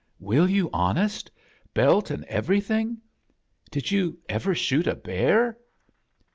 "Will you, honest? Belt an' every thing? Did you ever shoot a bear?"